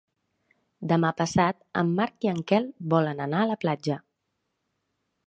Demà passat en Marc i en Quel volen anar a la platja.